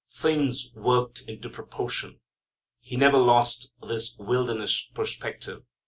Things worked into proportion. He never lost this wilderness perspective.